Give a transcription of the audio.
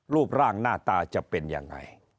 รูปร่างหน้าตาจะเป็นยังไง